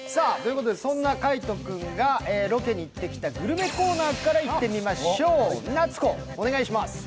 そんな海音君がロケに行ってきた、グルメコーナーからいってみましょう、夏子、お願いします。